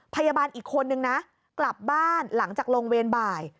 พยาบาลอีกคนนึงนะกลับบ้านหลังจากลงเวรบ่าย